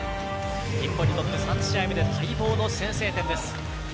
日本にとって３試合目で待望の先制点です。